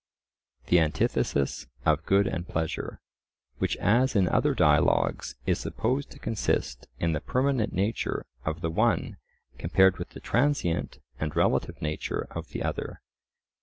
The antithesis of good and pleasure, which as in other dialogues is supposed to consist in the permanent nature of the one compared with the transient and relative nature of the other.